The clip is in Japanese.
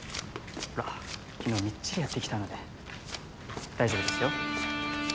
ほら昨日みっちりやってきたので大丈夫ですよ。